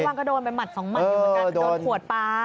กระวังกระโดนไปหมัดสองมันอยู่บ้างการกระโดนขวดปลา